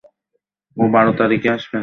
বোকা মেয়ে কোথাকার!